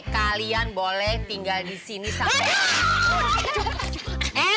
kalian boleh tinggal di sini sampai